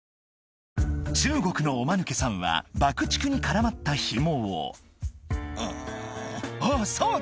中国のおマヌケさんは爆竹に絡まったヒモを「うんあっそうだ」